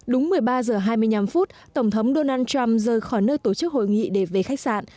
đúng một mươi ba h hai mươi năm phút tổng thống donald trump rời khỏi nơi tổ chức hội nghị để về khách sạn